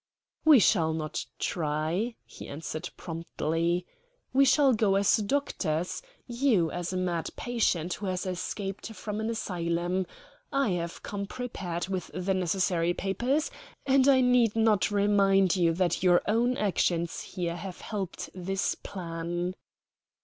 "We shall not try," he answered promptly. "We shall go as doctors you as a mad patient, who has escaped from an asylum. I have come prepared with the necessary papers; and I need not remind you that your own actions here have helped this plan."